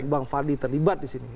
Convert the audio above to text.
bang fadli terlibat disini